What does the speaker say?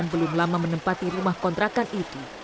belum lama menempati rumah kontrakan itu